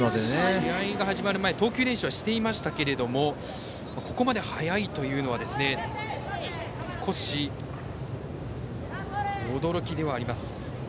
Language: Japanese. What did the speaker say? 試合が始まる前投球練習はしていましたけどもここまで早いというのは少し驚きではあります。